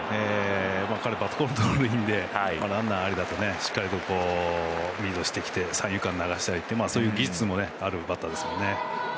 バットコントロールが彼はいいのでランナーありだとしっかりとリードしてきて三遊間に流したりという技術もあるバッターですからね。